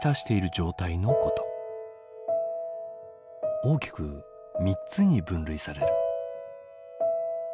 大きく３つに分類される。